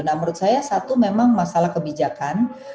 nah menurut saya satu memang masalah kebijakan